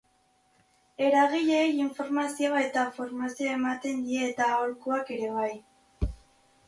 Eragileei informazioa eta formazioa ematen die eta aholkuak ere bai.